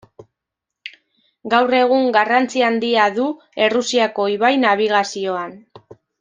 Gaur egun garrantzi handia du Errusiako ibai nabigazioan.